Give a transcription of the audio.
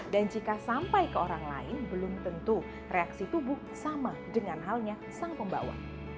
dan jika sampai ke orang lain belum tentu reaksi tubuh sama dengan halnya sang pembawa